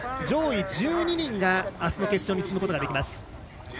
上位１２人があすの決勝に進むことができます。